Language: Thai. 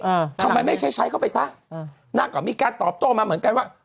อ่าทำไมไม่ใช้ใช้เข้าไปซะอ่านางก็มีการตอบโต้มาเหมือนกันว่า